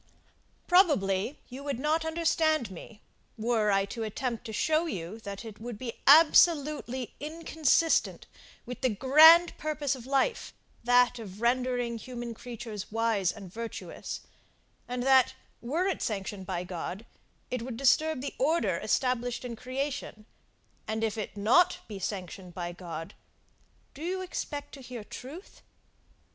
Probably you would not understand me, were I to attempt to show you that it would be absolutely inconsistent with the grand purpose of life, that of rendering human creatures wise and virtuous: and that, were it sanctioned by God, it would disturb the order established in creation; and if it be not sanctioned by God, do you expect to hear truth?